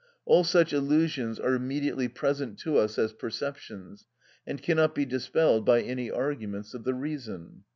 All such illusions are immediately present to us as perceptions, and cannot be dispelled by any arguments of the reason.